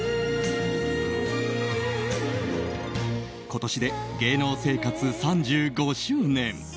今年で芸能生活３５周年。